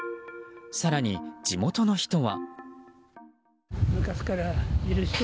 更に地元の人は。